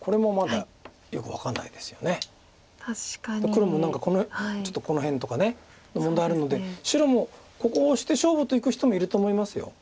黒も何かちょっとこの辺とかの問題あるので白もここオシて勝負といく人もいると思います。